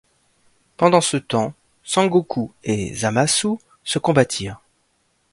Pendant ce temps, Son Goku et Zamasu se combattirent.